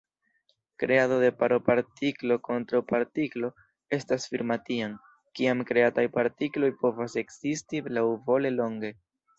Kreado de paro partiklo-kontraŭpartiklo estas firma tiam, kiam kreataj partikloj povas ekzisti laŭvole longe.